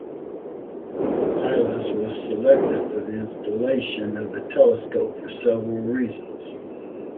Pylos was selected for the installation of the telescope for several reasons.